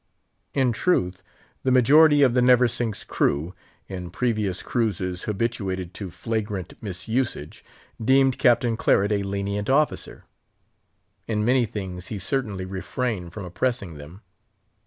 In truth, the majority of the Neversink's crew—in previous cruises habituated to flagrant misusage—deemed Captain Claret a lenient officer. In many things he certainly refrained from oppressing them.